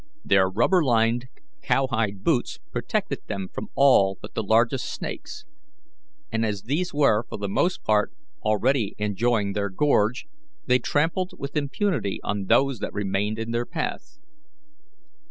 Their rubber lined cowhide boots protected them from all but the largest snakes, and as these were for the most part already enjoying their gorge, they trampled with impunity on those that remained in their path.